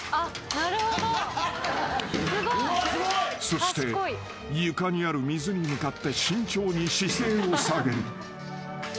［そして床にある水に向かって慎重に姿勢を下げる］